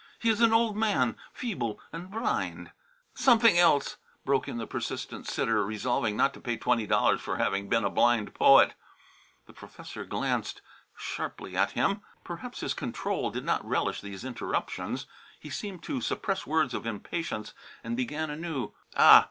He is an old man, feeble, blind " "Something else," broke in the persistent sitter, resolving not to pay twenty dollars for having been a blind poet. The professor glanced sharply at him. Perhaps his control did not relish these interruptions. He seemed to suppress words of impatience and began anew. "Ah!